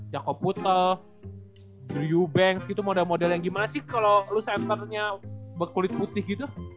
jakob putel drew banks gitu moda moda yang gimana sih kalau lu centernya berkulit putih gitu